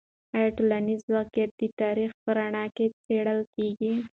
آیا ټولنیز واقعیت د تاریخ په رڼا کې څیړل کیږي؟